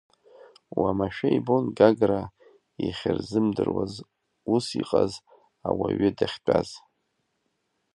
Уамашәа ибон Гагра ихьырзымдыруаз ус иҟаз ауаҩы дахьтәаз.